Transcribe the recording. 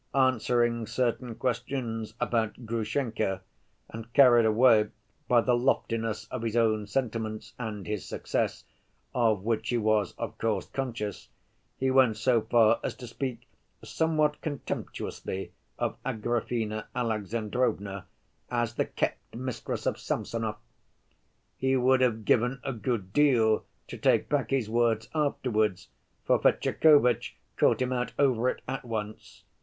Answering certain questions about Grushenka, and carried away by the loftiness of his own sentiments and his success, of which he was, of course, conscious, he went so far as to speak somewhat contemptuously of Agrafena Alexandrovna as "the kept mistress of Samsonov." He would have given a good deal to take back his words afterwards, for Fetyukovitch caught him out over it at once.